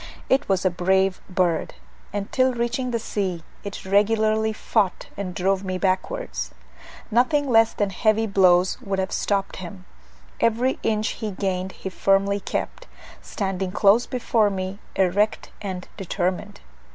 It was a brave bird; and till reaching the sea, it regularly fought and drove me backwards. Nothing less than heavy blows would have stopped him; every inch he gained he firmly kept, standing close before me erect and determined.